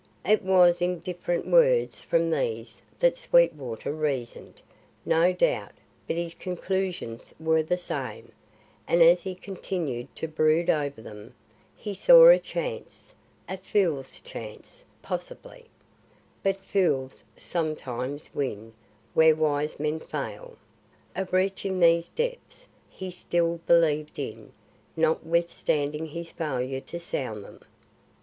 It was in different words from these that Sweetwater reasoned, no doubt, but his conclusions were the same, and as he continued to brood over them, he saw a chance a fool's chance, possibly, (but fools sometimes win where wise men fail) of reaching those depths he still believed in, notwithstanding his failure to sound them.